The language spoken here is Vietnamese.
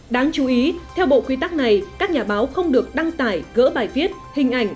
đáng chú ý theo bộ quy tắc này các nhà báo không được đăng tải gỡ bài viết hình ảnh